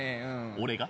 俺が？